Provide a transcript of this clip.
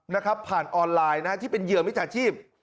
นะครับผ่านออนไลน์นะฮะที่เป็นเหยื่อมิจฉาชีพ